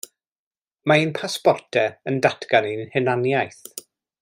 Mae ein pasbortau yn datgan ein hunaniaeth.